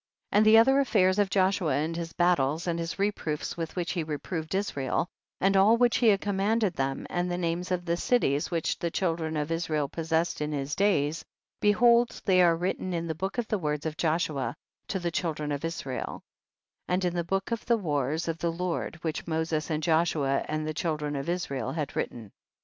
48. And the other affairs of Joshua and his battles and his reproofs with which he reproved Israel, and all which he had commanded them, and the names of the cities which the chil dren of Israel possessed in his days, behold they are written in the book of the words of Joshua to the children of Israel, and in the book of the wars of the Lord, which Moses and Joshua and the children of Israel had writ ten.